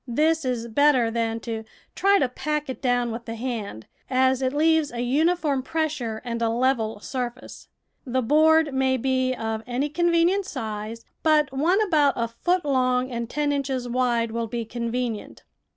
This is better than to try to pack it down with the hand, as it leaves a uniform pres sure and a level surface. The board may be of any convenient size, but one about a foot long and ten inches wide will be convenient.